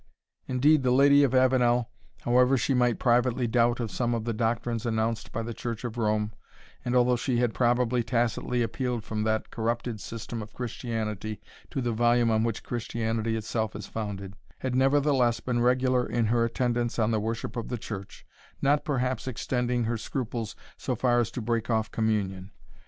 Indeed, the Lady of Avenel, however she might privately doubt some of the doctrines announced by the Church of Rome, and although she had probably tacitly appealed from that corrupted system of Christianity to the volume on which Christianity itself is founded, had nevertheless been regular in her attendance on the worship of the Church, not, perhaps, extending her scruples so far as to break off communion.